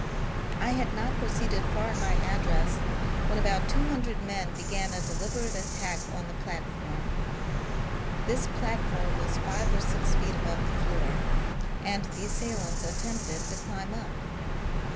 I had not pro ceeded far in my address when about two hundred men began a deliberate attack on the platform. This platform was five or six feet above the floor and the assailants attempted to climb up.